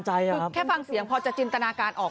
มีผลลิปที่จะสามารถช่วยเห็นความราคาพวก่อน